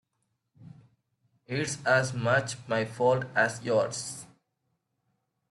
It's as much my fault as yours.